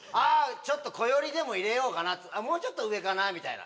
「ちょっとこよりでも入れようかもうちょっと上かな」みたいな。